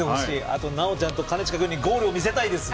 あと、奈央ちゃんと兼近君にゴールを見せたいです！